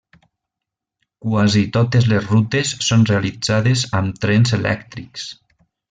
Quasi totes les rutes són realitzades amb trens elèctrics.